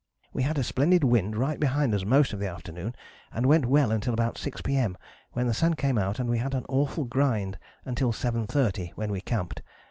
"We had a splendid wind right behind us most of the afternoon and went well until about 6 P.M. when the sun came out and we had an awful grind until 7.30 when we camped.